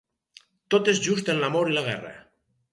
Tot és just en l'amor i la guerra.